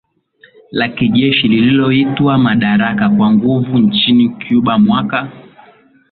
La kijeshi lililotwaa madaraka kwa nguvu nchini Cuba mwaka